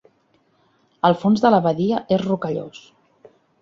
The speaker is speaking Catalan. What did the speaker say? El fons de la badia és rocallós.